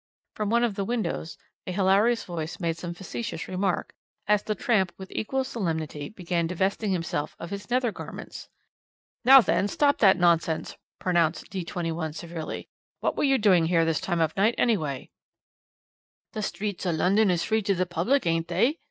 From one of the windows a hilarious voice made some facetious remark, as the tramp with equal solemnity began divesting himself of his nether garments. "'Now then, stop that nonsense,' pronounced D 21 severely, 'what were you doing here this time o' night, anyway?' "'The streets o' London is free to the public, ain't they?'